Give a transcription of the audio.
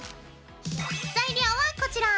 材料はこちら。